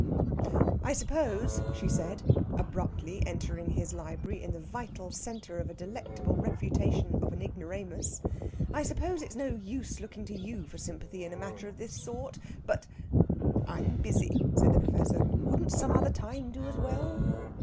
"I suppose," she said, abruptly entering his library in the vital centre of a delectable refutation of an ignoramus "I suppose it's no use looking to you for sympathy in a matter of this sort, but " "I'm busy," said the Professor; "wouldn't some other time do as well?"